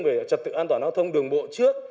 về trật tự an toàn giao thông đường bộ trước